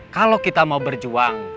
kalau kita mau berjuang